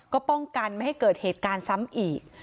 ก็ป้องกันไม่ให้เกิดเหตุการณ์ซ้ำอีก